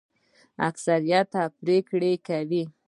اکثریت پریکړه کوي